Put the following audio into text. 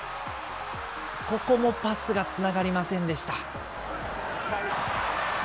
ここもパスがつながりませんでした。